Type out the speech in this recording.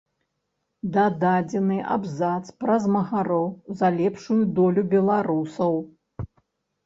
Дададзены абзац пра змагароў за лепшую долю беларусаў.